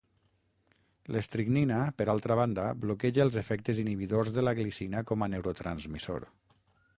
L'estricnina, per altra banda, bloqueja els efectes inhibidors de la glicina com a neurotransmissor.